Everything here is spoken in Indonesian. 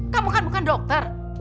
kamu kan bukan dokter